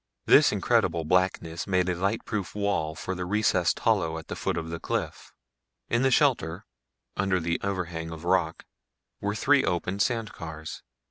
This incredible blackness made a lightproof wall for the recessed hollow at the foot of the cliff. In this shelter, under the overhang of rock, were three open sand cars.